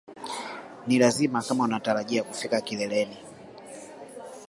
Ni lazima kama unatarajia kufika kileleni